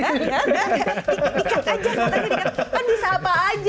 kan bisa apa aja